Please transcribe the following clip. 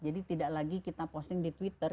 jadi tidak lagi kita posting di twitter